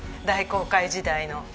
大航海時代の。